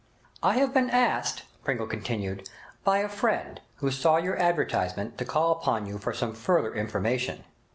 'I have been asked,' Pringle continued, 'by a friend who saw your advertisement to call upon you for some further information.'